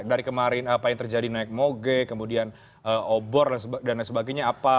dari kemarin apa yang terjadi naik moge kemudian obor dan lain sebagainya apa